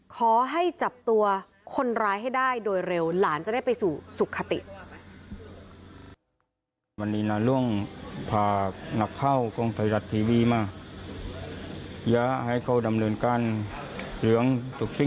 ขอให้จับตัวคนร้ายให้ได้โดยเร็วหลานจะได้ไปสู่สุขติ